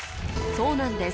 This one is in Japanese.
そうなんです